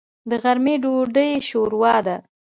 د غرمې ډوډۍ شوروا ده.